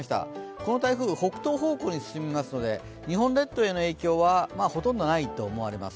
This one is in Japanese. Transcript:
この台風、北東方向へ進みますので日本列島への影響はほとんどないと思われます。